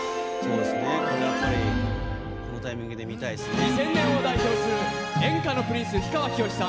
２０００年を代表する演歌のプリンス氷川きよしさん